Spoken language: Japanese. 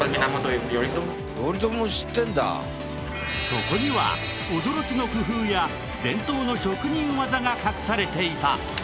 そこには驚きの工夫や伝統の職人技が隠されていた！